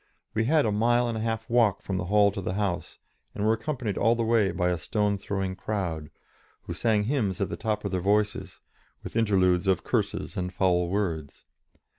We had a mile and a half to walk from the hall to the house, and were accompanied all the way by a stone throwing crowd, who sang hymns at the tops of their voices, with interludes of curses and foul words.